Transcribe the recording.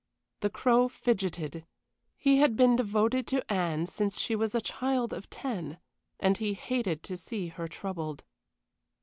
The Crow fidgeted; he had been devoted to Anne since she was a child of ten, and he hated to see her troubled.